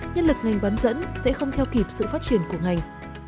nhân lực ngành bán dẫn sẽ không theo kịp sự phát triển của ngành